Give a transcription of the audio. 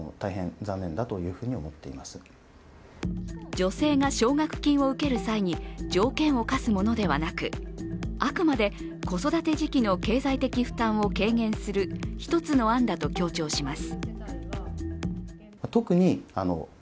女性が奨学金を受ける際に条件を課すものではなくあくまで、子育て時期の経済的負担を軽減する１つの案だと強調します。